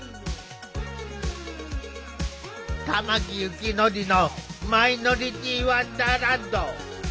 玉木幸則のマイノリティーワンダーランド。